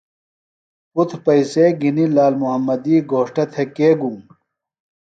پُتر پیئسے گِھینیۡ لال محمدی گھوݜٹہ تھےۡ کے گُوم؟